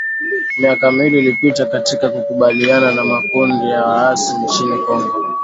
Miaka miwili ilipita katika kukabiliana na makundi ya waasi nchini Kongo